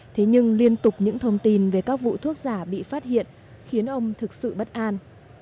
thế nhưng liên tục những thông tin về các vụ thuốc giả bị phát hiện khiến ông thực sự bất an